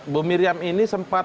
bu miriam ini sempat